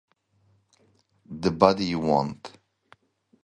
The Body You Want.